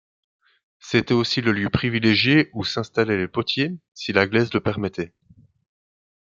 C'était aussi le lieu privilégié où s'installaient les potiers si la glaise le permettait.